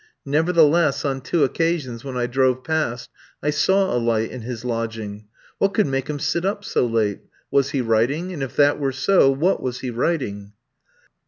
Nevertheless, on two occasions when I drove past, I saw a light in his lodging. What could make him sit up so late? Was he writing, and if that were so, what was he writing?